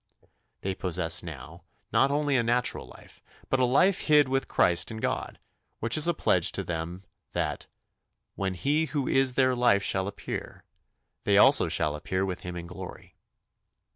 They possess now not only a natural life, but a life hid with Christ in God, which is a pledge to them that "when he who is their life shall appear, they also shall appear with him in glory."